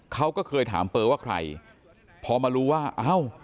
เขาก็เคยถามเปอร์ว่าใครพอมารู้ว่าเอ้า